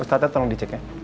ustaznya tolong dicek ya